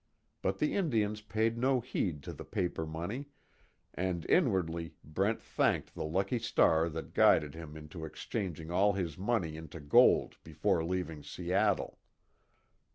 But the Indians paid no heed to the paper money, and inwardly Brent thanked the lucky star that guided him into exchanging all his money into gold before leaving Seattle.